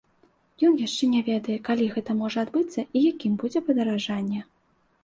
Ён яшчэ не ведае, калі гэта можа адбыцца і якім будзе падаражанне.